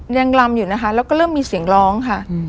ยังลำอยู่นะคะแล้วก็เริ่มมีเสียงร้องค่ะ